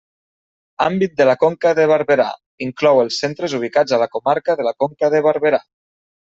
Àmbit de la Conca de Barberà: inclou els centres ubicats a la comarca de la Conca de Barberà.